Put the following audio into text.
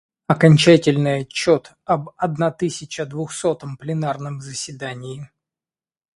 Окончательный отчет об одна тысяча двухсотом пленарном заседании,.